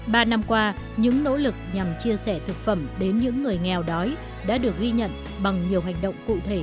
ba năm qua những nỗ lực nhằm chia sẻ thực phẩm đến những người nghèo đói đã được ghi nhận bằng nhiều hành động cụ thể trên khắp thế giới